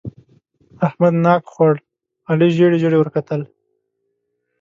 احمد ناک خوړ؛ علي ژېړې ژېړې ورته کتل.